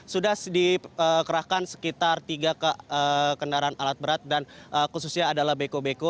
sudah dikerahkan sekitar tiga kendaraan alat berat dan khususnya adalah beko beko